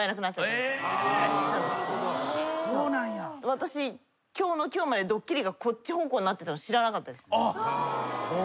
私今日の今日までドッキリがこっち方向になってたの知らなかったです。